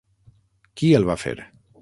Qui el va fer?